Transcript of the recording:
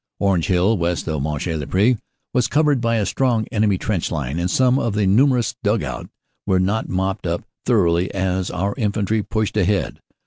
Orange hill, west of Monchy le Preux, was covered by a strong enemy trench line, and some of the numerous dug out* were not mopped up thoroughly as our infantry pushed ahead.